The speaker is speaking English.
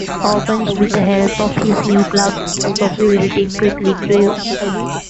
Opens with the help of his new club, its popularity quickly grew.